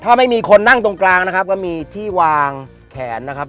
ถ้าไม่มีคนนั่งตรงกลางนะครับก็มีที่วางแขนนะครับ